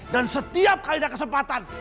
dan setiap kali ada kesempatan